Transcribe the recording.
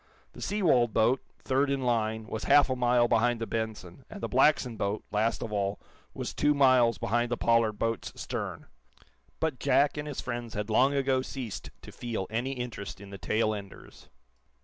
The Seawold boat, third in line, was half a mile behind the "Benson," and the Blackson boat, last of all, was two miles behind the Pollard boat's stern. But Jack and his friends had long ago ceased to feel any interest in the tail enders.